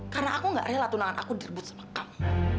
karena aku nggak rela tunangan aku direbut sama kamu